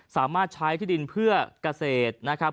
สามารถใช้ที่ดินเพื่อเกษตรนะครับ